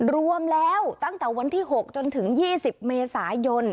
รวมแล้วตั้งแต่วันที่๖จนถึง๒๐เมษายน